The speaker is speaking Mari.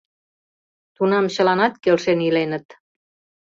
Тунам чыланат келшен иленыт.